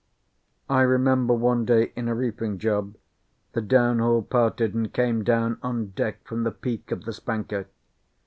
I remember one day in a reefing job, the downhaul parted and came down on deck from the peak of the spanker.